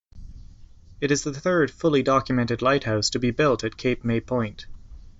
It is the third fully documented lighthouse to be built at Cape May Point.